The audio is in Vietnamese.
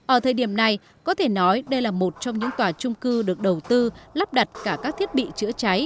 ở thời điểm này có thể nói đây là một trong những tòa trung cư được đầu tư lắp đặt cả các thiết bị chữa cháy